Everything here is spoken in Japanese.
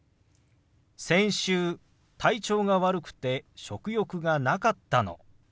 先週体調が悪くて食欲がなかったの。